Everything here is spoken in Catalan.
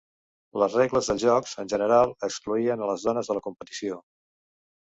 Les regles dels jocs, en general, excloïen a les dones de la competició.